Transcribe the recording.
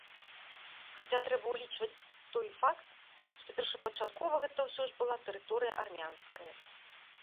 Хаця трэба ўлічваць той факт, што першапачаткова гэта ўсё ж была тэрыторыя армянская.